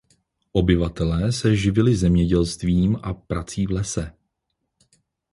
Obyvatelé se živili zemědělstvím a prací v lese.